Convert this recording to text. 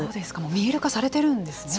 見える化されているんですね。